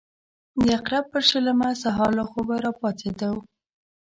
د عقرب پر شلمه سهار له خوبه راپاڅېدو.